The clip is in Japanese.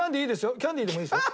キャンディーでもいいですよ。